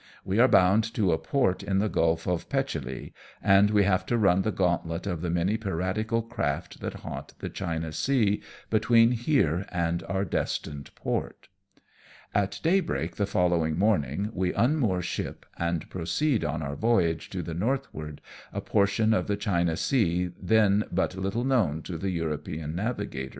"We are bound to a port in the Gulf of Petchelee, and we have to run the gauntlet of the many piratical craft that haunt the China Sea between here and our destined port. At daybreak the following morning we unmoor ship, and proceed on our voyage to the northward, a portion of the China Sea then but little known to the European navigators.